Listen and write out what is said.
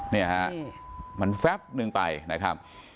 เนี่ยฮะมันแป๊บนึงไปนะครับ